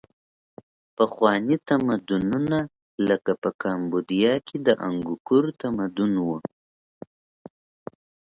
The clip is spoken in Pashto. پخواني تمدنونه لکه په کامبودیا کې د انګکور تمدن و.